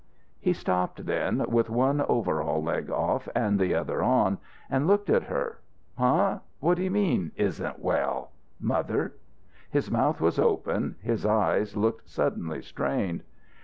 He stopped then, with one overall leg off and the other on, and looked at her. "Huh? What d'you mean isn't well? Mother." His mouth was open. His eyes looked suddenly strained.